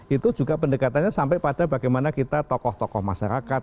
itu juga pendekatannya sampai pada bagaimana kita tokoh tokoh masyarakat